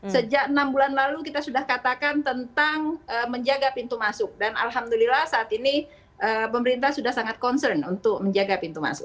sejak enam bulan lalu kita sudah katakan tentang menjaga pintu masuk dan alhamdulillah saat ini pemerintah sudah sangat concern untuk menjaga pintu masuk